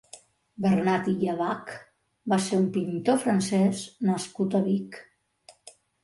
Bernat Ylla Bach va ser un pintor francès nascut a Vic.